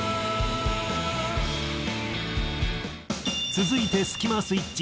続いてスキマスイッチ